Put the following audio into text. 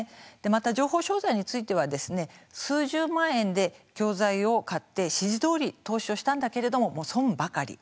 また、情報商材についてはですね数十万円で教材を買って指示どおり投資をしたんだけれども損ばかり。